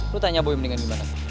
lo tanya boy mendingan gimana